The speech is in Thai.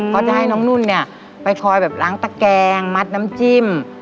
เขาจะให้น้องนุ่นเนี่ยไปคอยแบบล้างตะแกงมัดน้ำจิ้ม